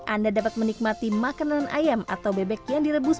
anda dapat menikmati makanan ayam atau bebek yang direbus